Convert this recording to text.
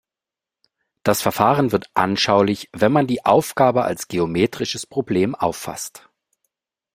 Das Verfahren wird anschaulich, wenn man die Aufgabe als geometrisches Problem auffasst.